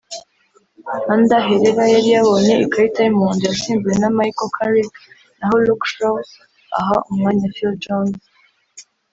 Ander Herrera yari yabonye ikarita y’umuhondo yasimbuwe na Michael Carrick naho Luke Shaw aha umwanya Phil Jones